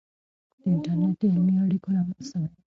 د انټرنیټ د علمي اړیکو لامل سوی دی.